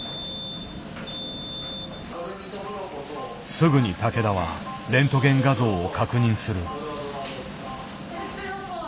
すぐに竹田はレントゲン画像を確認する。